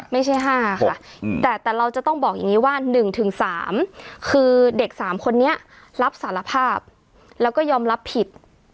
ไม่ใช่๕ค่ะแต่เราจะต้องบอกอย่างนี้ว่า๑๓คือเด็ก๓คนนี้รับสารภาพแล้วก็ยอมรับผิด